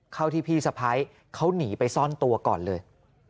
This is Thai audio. เข้าที่พี่สะพ้ายเขาหนีไปซ่อนตัวก่อนเลย